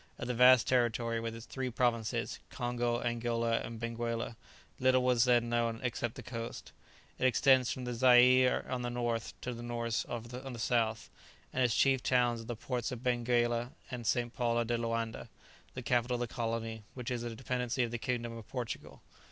Of the vast territory, with its three provinces, Congo, Angola, and Benguela, little was then known except the coast. It extends from the Zaire on the north to the Nourse on the south, and its chief towns are the ports of Benguela and of St. Paul de Loanda, the capital of the colony, which is a dependency of the kingdom of Portugal.